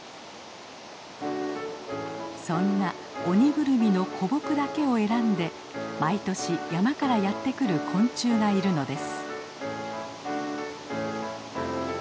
そんなオニグルミの古木だけを選んで毎年山からやって来る昆虫がいるのです。